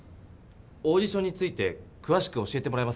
オーディションについてくわしく教えてもらえますか？